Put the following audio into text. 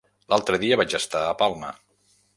L'altre dia vaig estar a Palma.